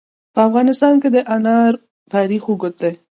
په افغانستان کې د انار تاریخ اوږد دی.